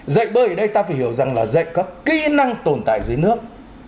dạy bơi ở đây ta phải hiểu rằng là dạy các kỹ năng tồn tại dưới nước